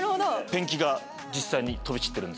ペンキが実際に飛び散ってる。